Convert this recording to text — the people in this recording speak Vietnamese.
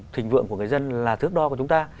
thịnh vượng của người dân là thước đo của chúng ta